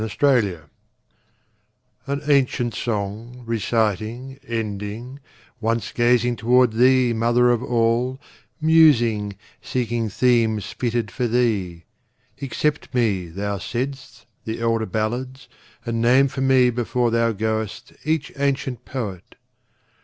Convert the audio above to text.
Old Chants An ancient song, reciting, ending, Once gazing toward thee, Mother of All, Musing, seeking themes fitted for thee, Accept me, thou saidst, the elder ballads, And name for me before thou goest each ancient poet.